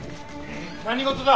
何事だ？